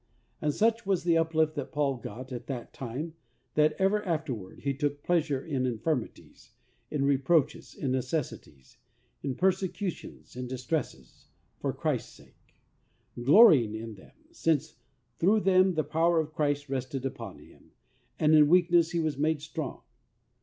And such was the uplift that Paul got at that time that ever afterward he took "pleasure in infirmities, in reproaches, in necessities, in persecutions, in distresses, for Christ's sake," glorying in them, since through them the power of Christ rested upon him, and in weakness he was made strong.